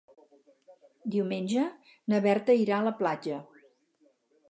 Diumenge na Berta irà a la platja.